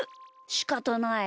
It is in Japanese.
しかたない。